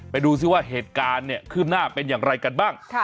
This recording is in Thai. ไปดูซิว่าเหตุการณ์เนี่ยขึ้นหน้าเป็นอย่างไรกันบ้าง